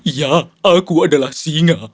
iya aku adalah singa